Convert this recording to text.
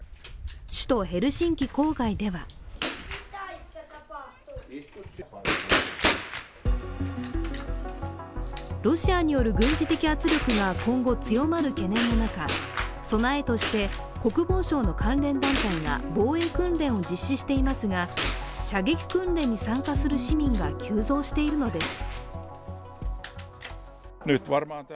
首都ヘルシンキ郊外ではロシアによる軍事的圧力が今後、強まる懸念の中、備えとして国防省の関連団体が防衛訓練を実施していますが、射撃訓練に参加する市民が急増しているのです。